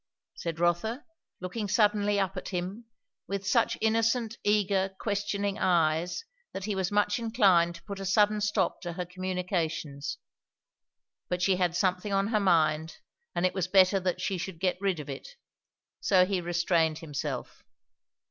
said Rotha, looking suddenly up at him, with such innocent, eager, questioning eyes that he was much inclined to put a sudden stop to her communications. But she had something on her mind, and it was better that she should get rid of it; so he restrained himself.